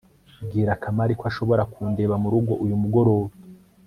bwira kamali ko ashobora kundeba murugo uyu mugoroba